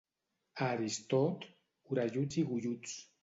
A Aristot, orelluts i golluts.